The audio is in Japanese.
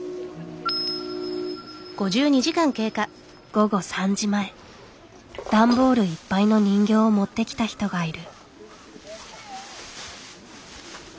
午後３時前段ボールいっぱいの人形を持ってきた人がいる。